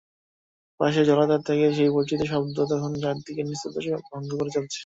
পাশের জলাধার থেকে সেই পরিচিত শব্দ তখনও চারিদিকের নিস্তব্ধতা ভঙ্গ করে চলেছে।